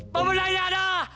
mas webcamnya ada